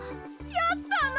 やったな！